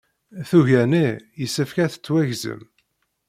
Tuga-nni yessefk ad tettwagzem.